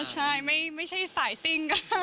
ใช่ไม่ใช่สายซิ่ง